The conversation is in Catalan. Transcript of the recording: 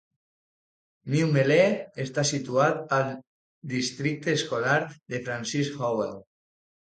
New Melle està situat al districte escolar de Francis Howell.